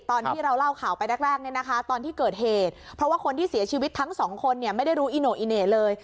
ตอนที่เราเล่าข่าวไปแรกเนี่ยนะคะตอนที่เกิดเหตุเพราะว่าคนที่เสียชีวิตทั้งสองคนเนี่ยไม่ได้รู้อิโน่อีเหน่เลย